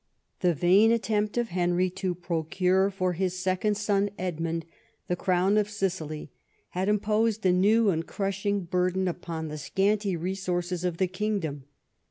The vain attempt of Henry to procure for his second son Edmund the crown of Sicily had imposed a new and a crushing burden upon the scanty resources of the kingdom.